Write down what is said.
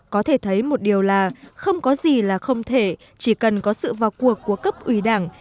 có thể thấy một điều là không có gì là không thể chỉ cần có sự vào cuộc của cấp ủy đảng